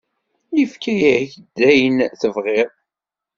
Yefka-ak-d ayen tebɣiḍ.